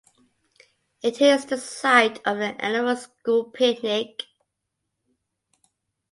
It is the site of the annual school picnic.